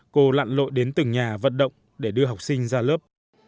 cô lặn lội đến từng nhà vận động để đưa học sinh ra lớp